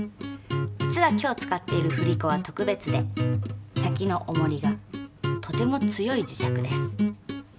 実は今日使っている振り子は特別で先のおもりがとても強い磁石です。